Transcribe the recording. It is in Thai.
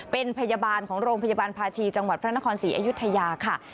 เป็นพยาบาลของโรงพยาบาลภาชีจังหวัดพระนครศรีอยุธยาค่ะ